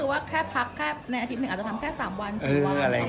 ว่าแค่พักแค่ในอาทิตย์หนึ่งอาจจะทำแค่๓วัน๔วัน